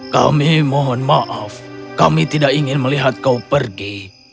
kami mohon maaf kami tidak ingin melihat kau pergi